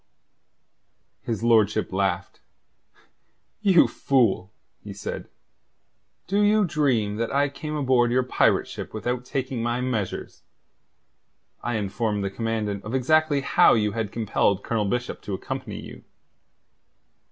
His lordship laughed. "You fool," he said. "Do you dream that I came aboard your pirate ship without taking my measures? I informed the Commandant of exactly how you had compelled Colonel Bishop to accompany you.